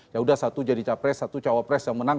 ya sudah satu jadi capres satu cowok pres yang menang